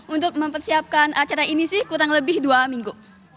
untuk mempersiapkan acara ini sih kurang lebih dua minggu